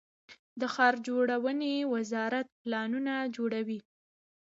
د ښار جوړونې وزارت پلانونه جوړوي